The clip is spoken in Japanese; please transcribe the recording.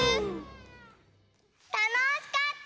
たのしかった！